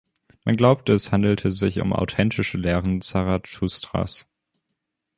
Man glaubte, es handle sich um authentische Lehren Zarathustras.